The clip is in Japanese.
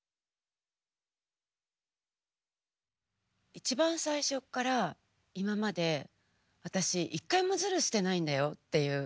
一番最初っから今まで私一回もズルしてないんだよっていう。